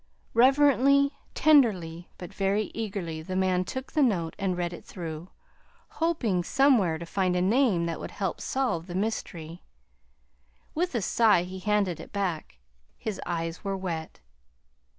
Reverently, tenderly, but very eagerly the man took the note and read it through, hoping somewhere to find a name that would help solve the mystery. With a sigh he handed it back. His eyes were wet.